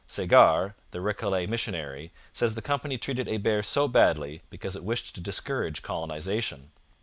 Sagard, the Recollet missionary, says the company treated Hebert so badly because it wished to discourage colonization.